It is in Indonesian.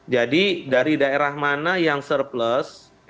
jadi dari daerah mana yang surplus